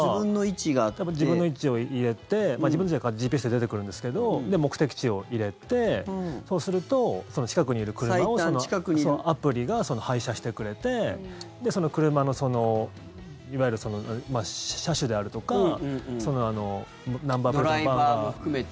多分、自分の位置を入れて自分の位置はＧＰＳで出てくるんですけど目的地を入れて、そうするとその近くにいる車をアプリが配車してくれてその車のいわゆる車種であるとかドライバーも含めて。